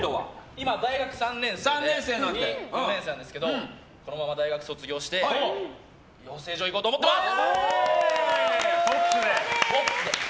今、大学３年生で次４年生なんですけどこのまま大学卒業して養成所、行こうと思ってます！